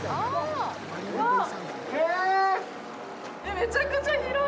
めちゃくちゃ広い！